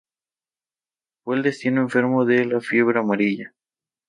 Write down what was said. En este destino enfermó de fiebre amarilla.